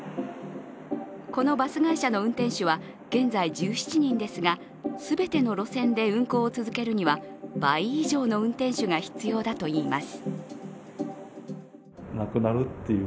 このバス会社の運転手は現在１７人ですが、全ての路線で運行を続けるには、倍以上の運転手が必要だといいます。